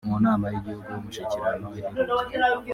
mu nama y’Igihugu y’Umushyikirano iheruka